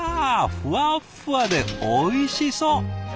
ふわっふわでおいしそう！